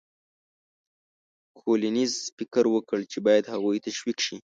کولینز فکر وکړ چې باید هغوی تشویق شي.